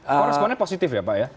orang orangnya positif ya pak ya